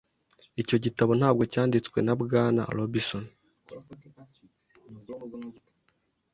Icyo gitabo ntabwo cyanditswe na Bwana Robinson.